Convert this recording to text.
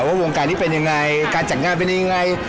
ในตัววงการนี้เป็นอีกไงการจัดงานเป็นอย่างไร